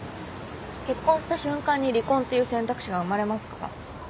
結婚した瞬間に離婚っていう選択肢が生まれますから。